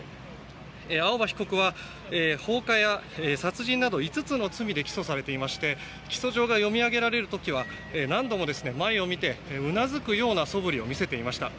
青葉被告は放火や殺人など５つの罪で起訴されていまして起訴状が読み上げられる時は何度も前を見てうなずくようなそぶりを見せていました。